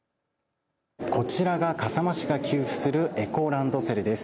こちらが笠間市が給付するエコランドセルです。